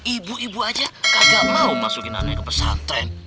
ibu ibu aja kagak mau masukin anaknya ke pesantren